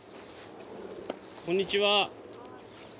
こんにちは。